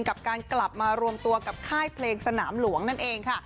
กับการกลับมารวมตัวกับค่ายเพลงสนามหลวงนั่นเองค่ะ